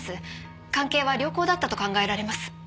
関係は良好だったと考えられます。